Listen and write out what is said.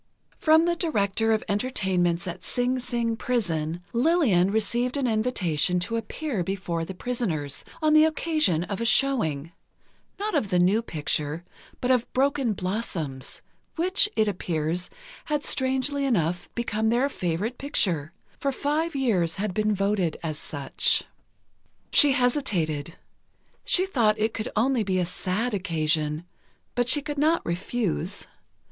From the Director of Entertainments at Sing Sing Prison, Lillian received an invitation to appear before the prisoners, on the occasion of a showing—not of the new picture, but of "Broken Blossoms," which, it appears, had strangely enough become their favorite picture—for five years had been voted as such. [Illustration:"THE WHITE SISTER"] She hesitated. She thought it could only be a sad occasion, but she could not refuse.